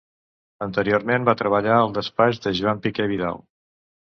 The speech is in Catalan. Anteriorment va treballar al despatx de Joan Piqué Vidal.